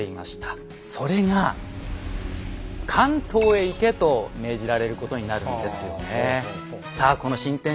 それが関東へ行けと命じられることになるんですよね。